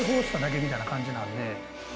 みたいな感じなんで。